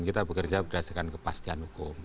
kita bekerja berdasarkan kepastian hukum